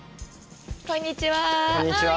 こんにちは。